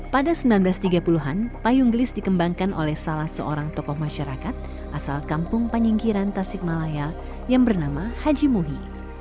pada seribu sembilan ratus tiga puluh an payung gelis dikembangkan oleh salah seorang tokoh masyarakat asal kampung panyingkiran tasikmalaya yang bernama haji muhi